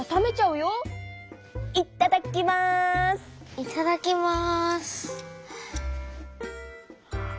いただきます。